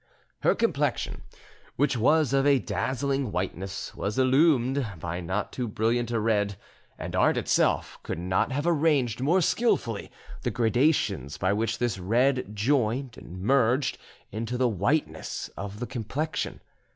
] "Her complexion, which was of a dazzling whiteness, was illumined by not too brilliant a red, and art itself could not have arranged more skilfully the gradations by which this red joined and merged into the whiteness of the complexion.